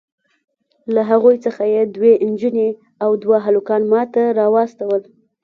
له هغوی څخه یې دوې نجوني او دوه هلکان ماته راواستول.